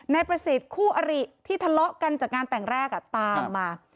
นายประสิทธิ์คู่อริที่ทะเลาะกันจากงานแต่งแรกตามมา